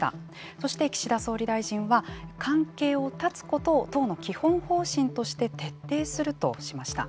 そして岸田総理大臣は関係を断つことを党の基本方針として徹底するとしました。